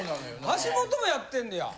橋本もやってんねや？